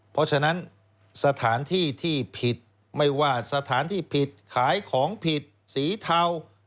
เพราะฉะนั้นสถานที่ที่ผิดไม่ว่าสถานที่ผิดขายของผิดสีเทา